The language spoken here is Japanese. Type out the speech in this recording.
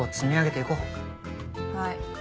はい。